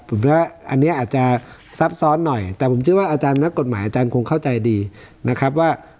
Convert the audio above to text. ผมคิดว่าอันนี้อาจจะซับซ้อนหน่อยแต่ผมเชื่อว่าอาจารย์นักกฎหมายอาจารย์คงเข้าใจดีนะครับว่า